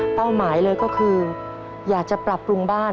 หมายเลยก็คืออยากจะปรับปรุงบ้าน